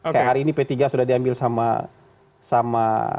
kayak hari ini p tiga sudah diambil sama